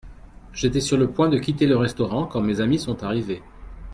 J'étais sur le point de quitter le restaurant quand mes amis sont arrivés.